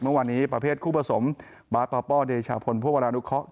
เมื่อวานนี้ประเภทคู่ผสมบาสป้อเดชาพลพวกวรานุเคาะ